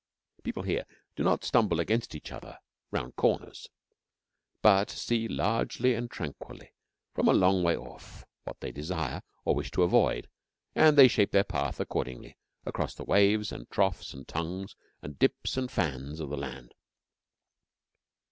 People here do not stumble against each other around corners, but see largely and tranquilly from a long way off what they desire, or wish to avoid, and they shape their path accordingly across the waves, and troughs, and tongues, and dips and fans of the land.